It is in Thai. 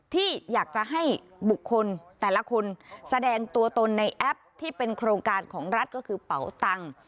ที่อยากจะให้บุคคลแต่ละคนแสดงตัวตนในแอปที่เป็นโครงการของรัฐก็คือเป๋าตังค์